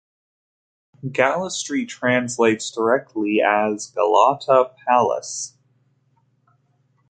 Galatasaray translates directly as 'Galata Palace'.